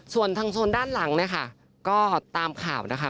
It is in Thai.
ส่วนทางโซนด้านหลังเนี่ยค่ะก็ตามข่าวนะคะ